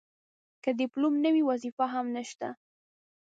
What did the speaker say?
که ډیپلوم نه وي وظیفه هم نشته.